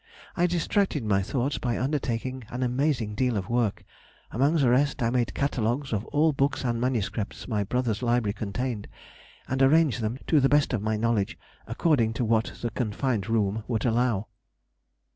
I distracted my thoughts by undertaking an amazing deal of work; among the rest, I made catalogues of all books and MSS. my brother's library contained, and arranged them, to the best of my knowledge, according to what the confined room would allow.